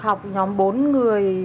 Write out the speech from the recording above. học nhóm bốn người